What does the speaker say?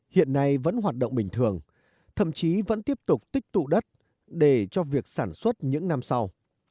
hiện nay vẫn hoạt động bình thường thậm chí vẫn tiếp tục tích tụ đất để cho việc sản xuất những năm sau